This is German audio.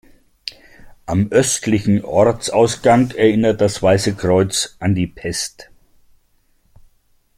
Am östlichen Ortsausgang erinnert das Weiße Kreuz an die Pest.